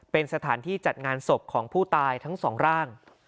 เป็นสถานที่จัดงานศพของผู้ตายทั้งสองร่าง